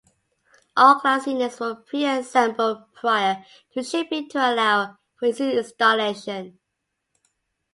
All glass units were pre-assembled prior to shipping to allow for easy installation.